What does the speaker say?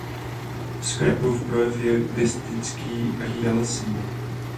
Skreplův projev je gestický a tělesný.